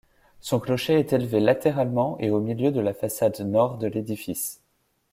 Son clocher est élevé latéralement et au milieu de la façade nord de l'édifice.